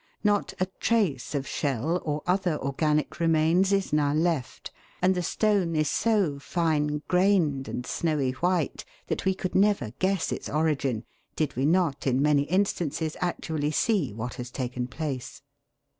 Not a trace of shell or other organic remains is now left, and the stone is so fine grained and snowy white that we could never guess its origin, did we not in many instances actually see what has taken place.